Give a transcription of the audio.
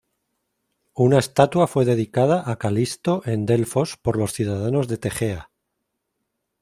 Una estatua fue dedicada a Calisto en Delfos por los ciudadanos de Tegea.